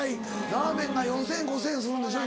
ラーメンが４０００円５０００円するんでしょ？